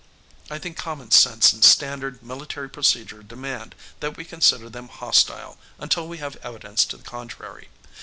I think common sense and standard military procedure demand that we consider them hostile until we have evidence to the contrary.